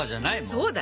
そうだよ。